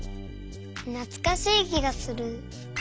なつかしいきがする。